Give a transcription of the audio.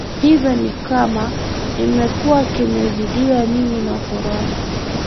hivyo ni kama imekuwa imezinduliwa mimi nafurahi